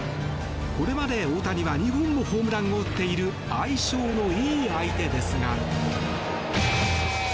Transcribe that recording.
これまで大谷は２本のホームランを打っている相性のいい相手ですが。